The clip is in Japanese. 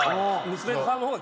娘さんの方が。